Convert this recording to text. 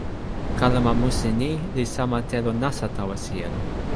kalama musi ni li sama telo nasa tawa sijelo.